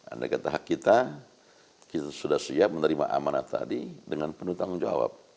andai kata hak kita kita sudah siap menerima amanat tadi dengan penuh tanggung jawab